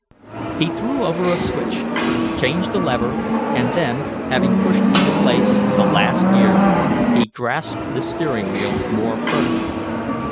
He threw over a switch, changed a lever and then, having pushed into place the last gear, he grasped the steering wheel more firmly.